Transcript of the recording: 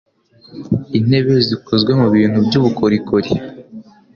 Intebe zikozwe mubintu byubukorikori.